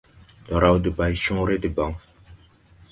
Ndɔ raw debaycõõre debaŋ.